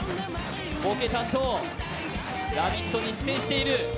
ボケ担当、「ラヴィット！」に出演している。